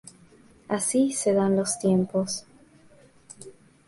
Así se dan los tiempos.